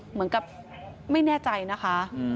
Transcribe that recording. เหมือนกับไม่แน่ใจนะคะ